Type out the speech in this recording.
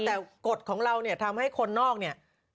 แต่กฎของเราเนี่ยทำให้คนนอกเนี่ย